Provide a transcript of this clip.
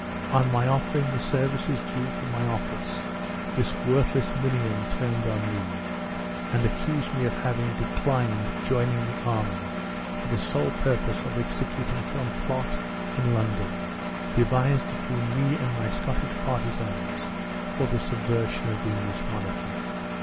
On my offering the services due from my office, this worthless minion turned on me, and accused me of having declined joining the army for the sole purpose of executing some plot in London, devised between me and my Scottish partisans for the subversion of the English monarchy.